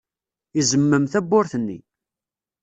Izemmem tawwurt-nni.